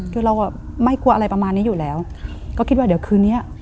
คือเราอ่ะไม่กลัวอะไรประมาณนี้อยู่แล้วก็คิดว่าเดี๋ยวคืนเนี้ย